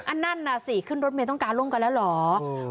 อันนั้นน่ะสิขึ้นรถเมลต้องกางลมกันแล้วเหรอคือ